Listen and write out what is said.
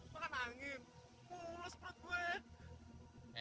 makan angin mulus perut gue